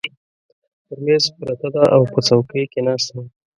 پر مېز پرته ده، او په چوکۍ کې ناسته وه.